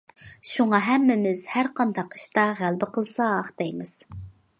شۇڭا ھەممىمىز ھەر قانداق ئىشتا غەلىبە قىلساق دەيمىز.